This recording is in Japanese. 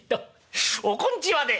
おこんちはで。